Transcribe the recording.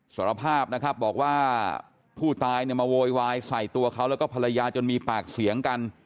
สารภาพนะครับบอกว่าผู้ตายเนี่ยมาโวยวายใส่ตัวเขาแล้วก็ภรรยาจนมีปากเสียงกัน